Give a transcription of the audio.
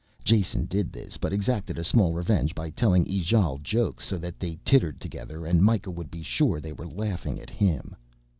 Jason did this but exacted a small revenge by telling Ijale jokes so that they tittered together and Mikah would be sure they were laughing at him.